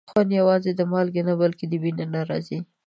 خوند یوازې د مالګې نه، بلکې د مینې نه راځي.